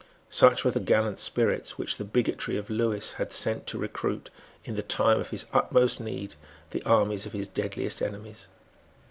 Such were the gallant spirits which the bigotry of Lewis had sent to recruit, in the time of his utmost need, the armies of his deadliest enemies.